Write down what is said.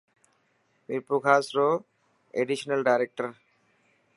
مير پور خاص رو ايڊيشنل ڊائريڪٽر.